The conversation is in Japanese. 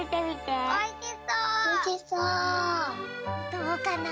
どうかな？